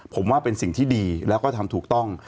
ผมว่าเป็นสิ่งที่ดีแล้วก็ทำถูกต้อง